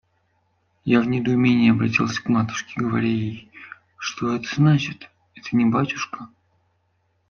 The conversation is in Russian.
Я в недоумении оборотился к матушке, говоря ей: «Что это значит? Это не батюшка.